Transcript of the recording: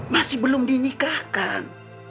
masih belum dinikahkan